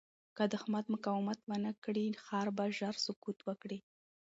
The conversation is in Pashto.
که دښمن مقاومت ونه کړي، ښار به ژر سقوط وکړي.